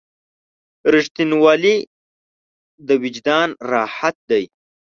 • رښتینولی د وجدان راحت دی.